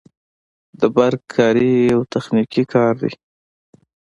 د برق کاري یو تخنیکي کار دی